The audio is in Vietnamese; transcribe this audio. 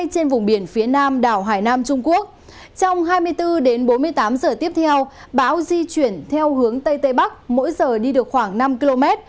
trong hai mươi bốn đến bốn mươi tám giờ tiếp theo báo di chuyển theo hướng tây tây bắc mỗi giờ đi được khoảng năm km